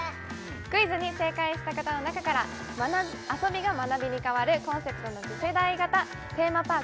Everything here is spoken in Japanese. クイズに正解した方の中から遊びが学びに変わるコンセプトの次世代型テーマパーク